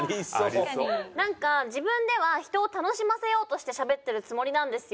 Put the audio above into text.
なんか自分では人を楽しませようとしてしゃべってるつもりなんですよ。